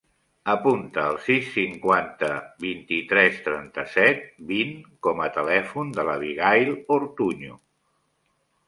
Apunta el sis, cinquanta, vint-i-tres, trenta-set, vint com a telèfon de l'Abigaïl Ortuño.